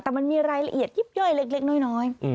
แต่มันมีรายละเอียดยิบย่อยเล็กน้อย